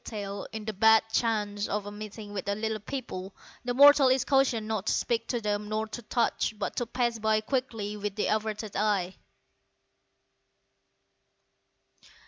* In the bad chance of a meeting with the "Little People" the mortal is cautioned not to speak to them nor to touch, but to pass by quickly with averted eye.